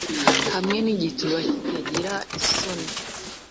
hamwe nigituba kitagira isoni,